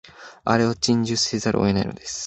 あれを珍重せざるを得ないのです